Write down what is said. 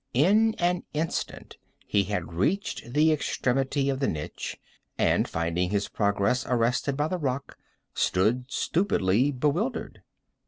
In an instant he had reached the extremity of the niche, and finding his progress arrested by the rock, stood stupidly bewildered.